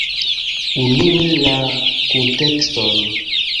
Unue la kuntekston.